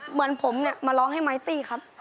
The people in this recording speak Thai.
เหมือนผมเนี่ยมาร้องให้ไมตี้ครับ